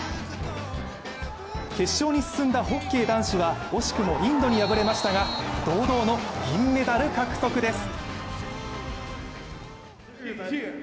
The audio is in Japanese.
決勝に進んだホッケー男子は惜しくもインドに敗れましたが堂々の銀メダル獲得です。